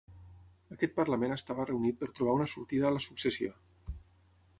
Aquest parlament estava reunit per trobar una sortida a la successió.